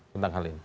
tentang hal ini